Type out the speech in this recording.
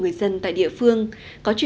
nó truyền tải những thông điệp lịch sử